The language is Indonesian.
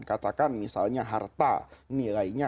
katakan misalnya harta nilainya